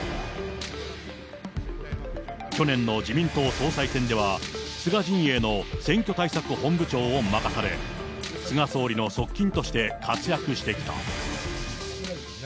去年の自民党総裁選では菅陣営の選挙対策本部長を任され、菅総理の側近として活躍してきた。